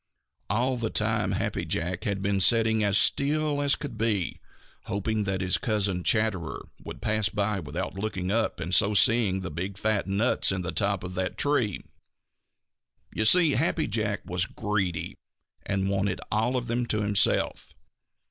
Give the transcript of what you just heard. All the time Happy Jack had been sitting as still as still could be, hoping that his cousin Chatterer would pass by without looking up and so seeing the big fat nuts in the top of that tree. You see Happy Jack was greedy and wanted all of them himself.